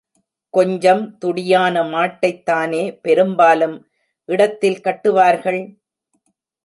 கொஞ்சம் துடியான மாட்டைத்தானே பெரும்பாலும் இடத்தில் கட்டுவார்கள்?